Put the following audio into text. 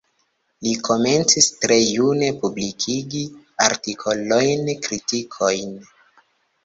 Li komencis tre june publikigi artikolojn, kritikojn.